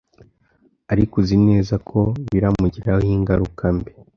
ariko uzi neza ko biramugiraho ingaruka mbi